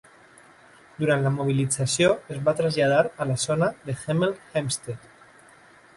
Durant la mobilització, es va traslladar a la zona de Hemel Hempstead.